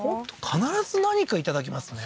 必ず何かいただきますね